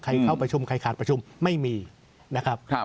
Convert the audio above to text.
เข้าประชุมใครขาดประชุมไม่มีนะครับ